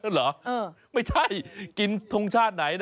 เหรอไม่ใช่กินทงชาติไหนนะ